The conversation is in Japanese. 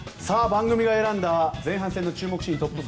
番組が選んだ前半戦の注目シーントップ５。